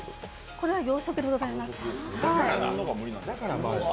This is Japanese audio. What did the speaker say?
これは養殖でございます。